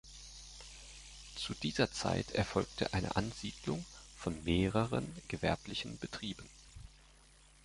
Zu dieser Zeit erfolgte eine Ansiedlung von mehreren gewerblichen Betrieben.